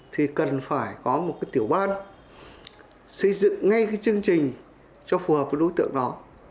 thì cần phải có một cái tiểu ban xây dựng ngay cái chương trình cho phù hợp với đối tượng đó